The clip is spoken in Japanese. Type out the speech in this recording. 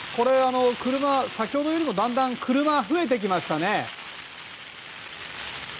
先ほどよりもだんだん車が増えてきましたね。